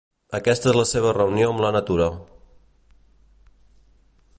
Aquesta és la seva reunió amb la natura.